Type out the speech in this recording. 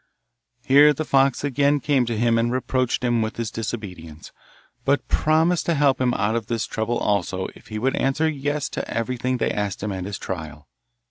Here the fox again came to him and reproached him with his disobedience, but promised to help him out of this trouble also if he would answer 'yes' to everything they asked him at his trial.